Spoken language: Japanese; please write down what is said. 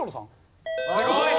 すごい！